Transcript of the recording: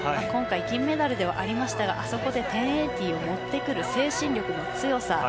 今回、銀メダルではありましたがあそこで１０８０を持ってくる精神力の強さ。